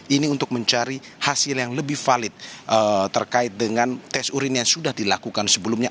ini untuk mencari hasil yang lebih valid terkait dengan tes urin yang sudah dilakukan sebelumnya